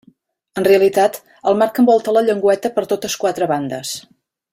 En realitat el marc envolta la llengüeta per totes quatre bandes.